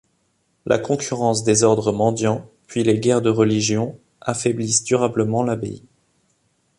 La concurrence des ordres mendiants, puis les guerres de Religion affaiblissent durablement l'abbaye.